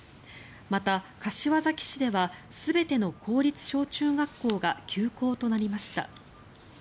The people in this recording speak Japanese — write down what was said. また、柏崎市では全ての公立小中学校が休校となりました。